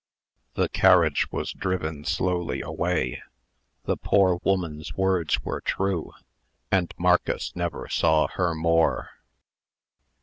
The carriage was driven slowly away. The poor woman's word's were true; and Marcus never saw her more.